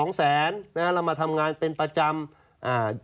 แล้วมาทำงานเป็นประจำ